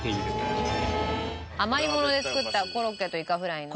余り物で作ったコロッケとイカフライの甘煮。